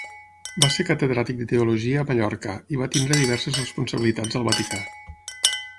Va ser catedràtic de teologia a Mallorca i va tenir diverses responsabilitats al Vaticà.